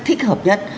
thích hợp nhất